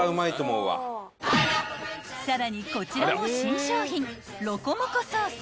［さらにこちらも新商品］